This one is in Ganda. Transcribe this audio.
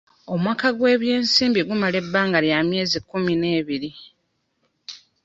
Omwaka gw'ebyensimbi gumala ebbanga lya myezi kkumi n'ebiri.